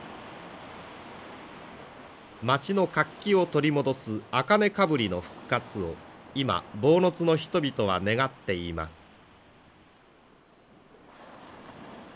町の活気を取り戻す茜かぶりの復活を今坊津の人々は願っています。